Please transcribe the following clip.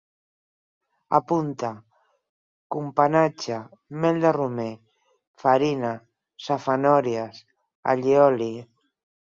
Apunta: companatge, mel de romer, farina, safanòries, allioli